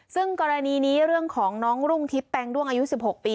ซึ่งกรณีนี้เรื่องของน้องรุ่งทิพย์แปงด้วงอายุ๑๖ปี